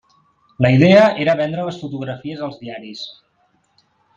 La idea era vendre les fotografies als diaris.